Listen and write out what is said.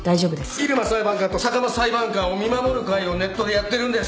入間裁判官と坂間裁判官を見守る会をネットでやってるんです。